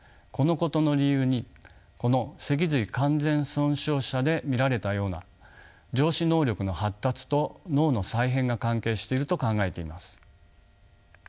このことの理由にこの脊髄完全損傷者で見られたような上肢能力の発達と脳の再編が関係していると考えています。